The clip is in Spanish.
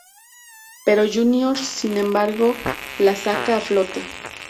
Pero Junior sin embargo la saca a flote.